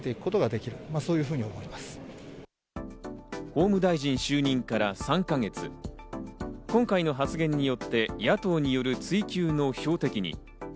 法務大臣就任から３か月、今回の発言によって野党による追及の標的に。